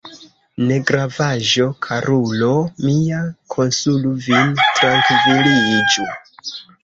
Negravaĵo, karulo mia, konsolu vin, trankviliĝu.